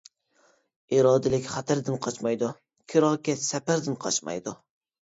ئىرادىلىك خەتەردىن قاچمايدۇ، كىراكەش سەپەردىن قاچمايدۇ.